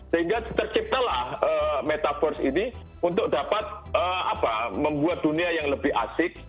sehingga terciptalah metaverse ini untuk dapat membuat dunia yang lebih asik